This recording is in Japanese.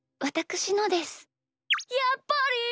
やっぱり！？